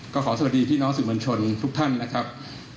ก็ขอสวัสดีพี่น้องสื่อมวลชนทุกท่านนะครับ